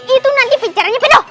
itu nanti pincaranya penuh